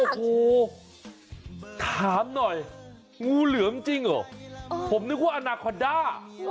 โอ้โหถามหน่อยงูเหลือมจริงเหรอผมนึกว่าอนาคอนด้า